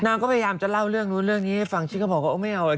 น้ำก็พยายามจะเล่าเรื่องนู้นเรื่องนี้ฟังชิกเขาบอกว่าไม่เอาเลย